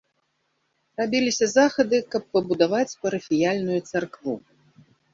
Рабіліся захады, каб пабудаваць парафіяльную царкву.